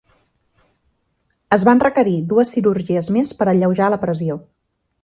Es van requerir dues cirurgies més per alleujar la pressió.